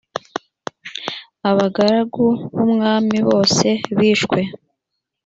abagaragu b’umwami bose bishwe